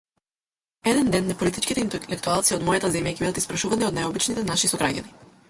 Еден ден неполитичките интелектуалци од мојата земја ќе бидат испрашувани од најобичните наши сограѓани.